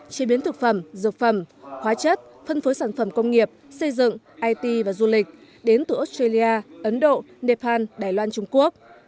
chế biến thực phẩm dược phẩm hóa chất phân phối sản phẩm công nghiệp xây dựng it và du lịch đến từ australia ấn độ nepal đài loan trung quốc